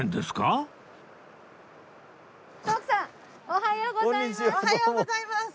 おはようございます。